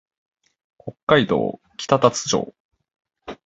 北海道北竜町